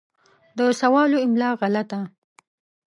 د سوالو املا غلطه